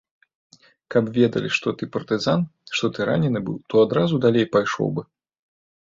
Каб ведалі, што ты партызан, што ты ранены быў, то адразу далей пайшоў бы.